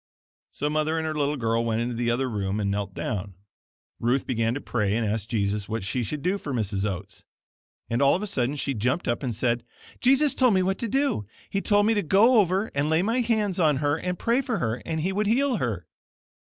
So Mother and her little girl went into the other room and knelt down. Ruth began to pray and ask Jesus what she should do for Mrs. Oats. And all of a sudden she jumped up and said, "Jesus told me what to do. He told me to go over and lay my hands on her and pray for her, and he would heal her."